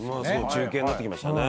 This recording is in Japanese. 中堅になってきましたね。